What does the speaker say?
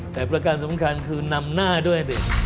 แต่ประการสำคัญคือนำหน้าด้วยดิ